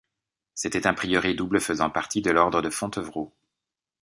C'était un prieuré double faisant partie de l'ordre de Fontevraud.